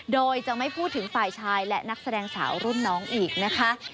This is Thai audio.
โดยจะไม่พูดถึงฝ่ายชายและนักแสดงสาวรุ่นน้องอีกนะคะ